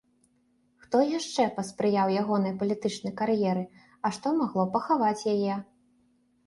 Хто яшчэ паспрыяў ягонай палітычнай кар'еры, а што магло пахаваць яе?